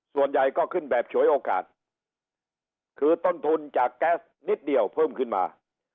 ส่วนใหญ่ก็ขึ้นแบบฉวยโอกาสคือต้นทุนจากแก๊สนิดเดียวเพิ่มขึ้นมา